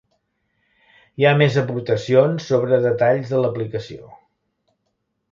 Hi ha més aportacions sobre detalls de l'aplicació.